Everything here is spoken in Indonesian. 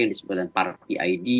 yang disebutkan party id